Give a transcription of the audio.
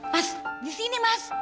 mas di sini mas